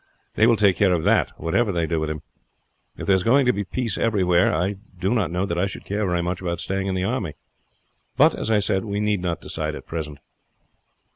They will take care of that, whatever they do with him. If there is going to be peace everywhere, I do not know that I should care very much about staying in the army; but, as I said, we need not decide at present."